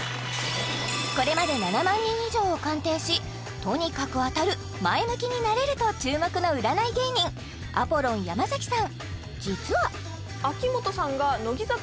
これまで７万人以上を鑑定し「とにかく当たる」「前向きになれる」と注目の占い芸人アポロン山崎さん